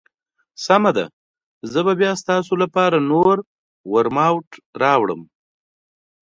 سمه ده، زه به بیا ستاسو لپاره نور ورماوټ راوړم.